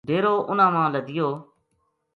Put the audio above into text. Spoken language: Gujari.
ڈیرو اُنھاں ما لدیو